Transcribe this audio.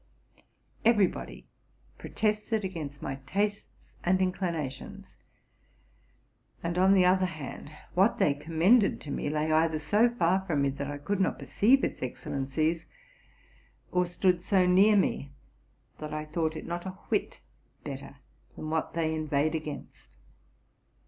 Everybody protested against my tastes and_ inclinations ; and, on the other hand, what they commended to me lay either so far from me that I could not perceive its excellen cies, or stood so near me that I thought it not a whit better than what they inveighed against.